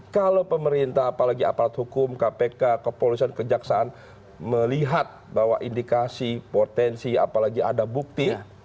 kalau pemerintah apalagi aparat hukum kpk kepolisian kejaksaan melihat bahwa indikasi potensi apalagi ada bukti